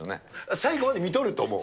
最後までみとると、もう。